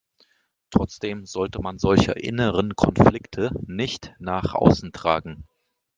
Trotzdem sollte man solche inneren Konflikte nicht nach außen tragen.